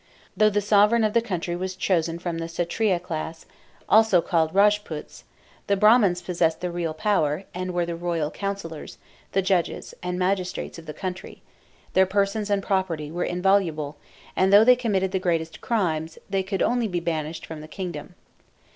Though the sovereign of the country was chosen from the Shatriya class, also called Rajputs, the Brahmans possessed the real power, and were the royal counsellors, the judges and magistrates of the country; their persons and property were inviolable; and though they committed the greatest crimes, they could only be banished from the kingdom.